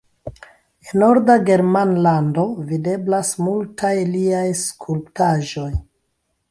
En Norda Germanlando videblas multaj liaj skulptaĵoj.